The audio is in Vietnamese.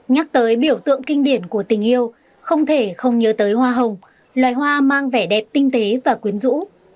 nhắc tới biểu tượng kinh điển của tình yêu không thể không nhớ tới hoa hồng loài hoa mang vẻ đẹp tinh tế và quyến rũ